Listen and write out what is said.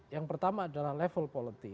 yang pertama adalah level quality